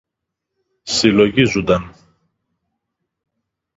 Συλλογίζουνταν